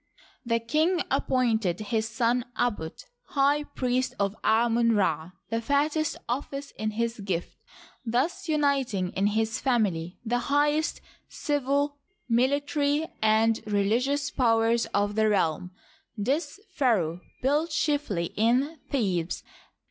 The kine appointed his son Aauput high priest of Amon Ra, the fattest office in his gift, thus uniting in his family the highest civil, military, and religious powers of the realm. This pharaoh built chiefly in Thebes.